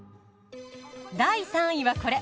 第３位はこれ。